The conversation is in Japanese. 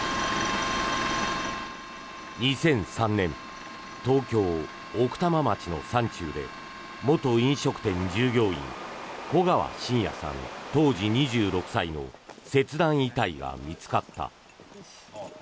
２００３年東京・奥多摩町の山中で元飲食店従業員古川信也さん、当時２６歳の切断遺体が見つかった。